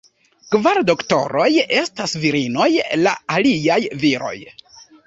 Kvar Doktoroj estas virinoj, la aliaj viroj.